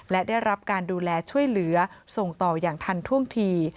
และได้รับการดูแลช่วยเหลือส่งต่ออย่างทันท่วงที